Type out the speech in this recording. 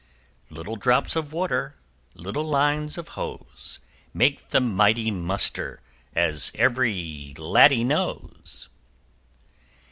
Little drops of water, Little lines of hose, Make the mighty Muster As ev'ry Laddie knows.